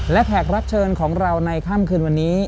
และแขกรับเชิญของเราในค่ำคืนวันนี้